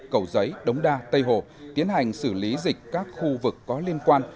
cầu giấy đống đa tây hồ tiến hành xử lý dịch các khu vực có liên quan